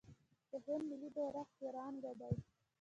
د هند ملي بیرغ تیرانګه دی.